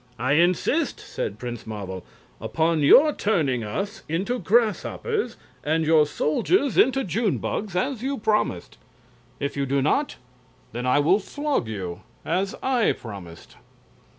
"I insist," said Prince Marvel, "upon your turning us into grasshoppers and your soldiers into June bugs, as you promised. If you do not, then I will flog you as I promised."